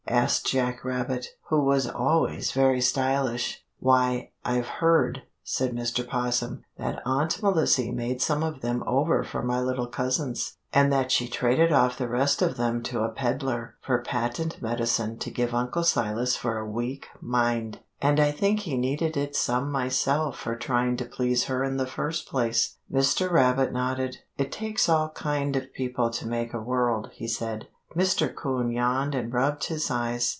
asked Jack Rabbit, who was always very stylish. "Why, I've heard," said Mr. 'Possum, "that Aunt Melissy made some of them over for my little cousins, and that she traded off the rest of them to a pedler for patent medicine to give Uncle Silas for a weak mind, and I think he needed it some myself for trying to please her in the first place." Mr. Rabbit nodded. "It takes all kind of people to make a world," he said. Mr. 'Coon yawned and rubbed his eyes.